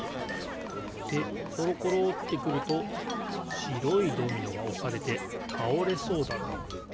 でころころってくるとしろいドミノがおされてたおれそうだなあ。